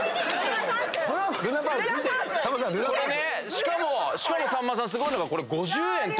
しかもさんまさんすごいのがこれ５０円とか。